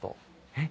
えっ？